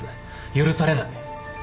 許されない。